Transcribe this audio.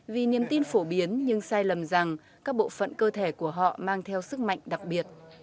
vì niềm tin phổ biến nhưng sai lầm rằng các bộ phận cơ thể của họ mang theo sức mạnh đặc biệt